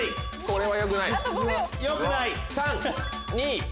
これはよくない！